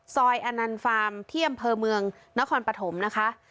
ซอยอนันฟาร์มเที่ยมเพอเมืองนครปฐมนะคะ